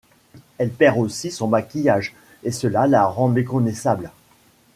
Elle perd aussi son maquillage et cela la rend méconnaissable.